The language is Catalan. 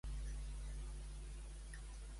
Quina obra va traduir al castellà?